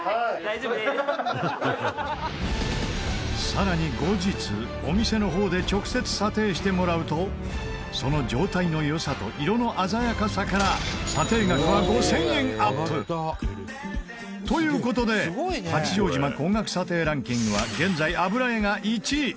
さらに後日お店の方で直接査定してもらうとその状態の良さと色の鮮やかさから査定額は５０００円アップ！という事で八丈島高額査定ランキングは現在油絵が１位。